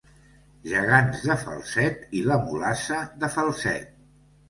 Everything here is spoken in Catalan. Gegants de Falset i la mulassa de Falset.